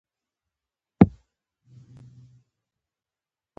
له دې لارې د ستونزو مناسب هواری.